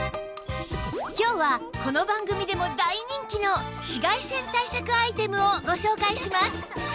今日はこの番組でも大人気の紫外線対策アイテムをご紹介します！